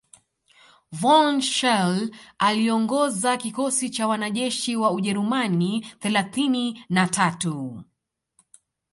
von Schele aliongoza kikosi cha wanajeshi wa Ujerumani thelathini na tatu